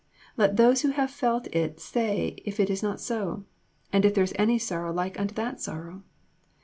Let those who have felt it say if it is not so, and if there is any sorrow like unto that sorrow.